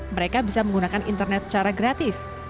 mereka bisa menggunakan internet secara gratis